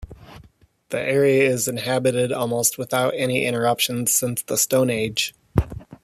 The area is inhabited almost without any interruptions since the stone age.